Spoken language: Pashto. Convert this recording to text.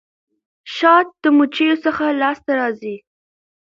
شات د مچيو څخه لاسته راځي.